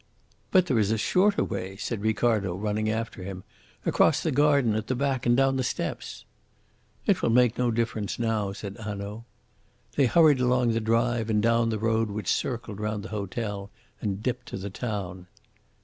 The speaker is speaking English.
"But there is a shorter way," said Ricardo, running after him: "across the garden at the back and down the steps." "It will make no difference now," said Hanaud. They hurried along the drive and down the road which circled round the hotel and dipped to the town.